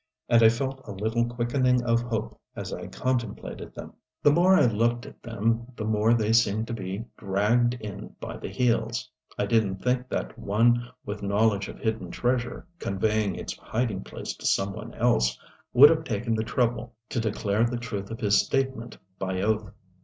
And I felt a little quickening of hope as I contemplated them. The more I looked at them the more they seemed to be "dragged in by the heels." I didn't think that one with knowledge of hidden treasure, conveying its hiding place to some one else, would have taken the trouble to declare the truth of his statement by oath.